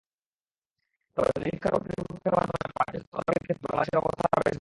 তবে নিরীক্ষা কর্তৃপক্ষের মাধ্যমে বাজেট তদারকির ক্ষেত্রে বাংলাদেশের অবস্থান বেশ ভালো।